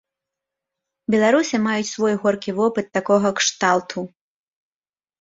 Беларусы маюць свой горкі вопыт такога кшталту.